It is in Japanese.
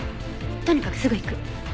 とにかくすぐ行く。